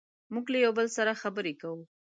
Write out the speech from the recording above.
موږ له یو بل سره خبرې کوو.